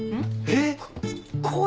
えっ？